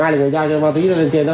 ai là người giao cho ma túy lên trên đó